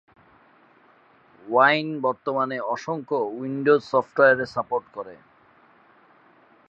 Wine বর্তমানে অসংখ্য Windows software support করে।